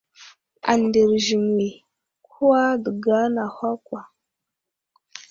Andərziŋwi kwa dəŋga anaha kwa.